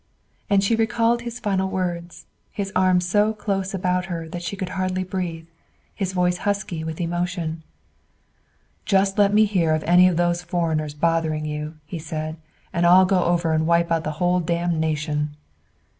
And she recalled his final words, his arms so close about her that she could hardly breathe, his voice husky with emotion. "Just let me hear of any of those foreigners bothering you," he said, "and I'll go over and wipe out the whole damned nation."